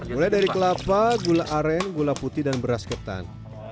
mulai dari kelapa gula aren gula putih dan beras ketan